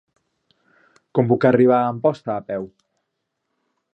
Com puc arribar a Amposta a peu?